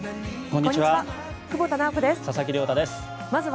こんにちは。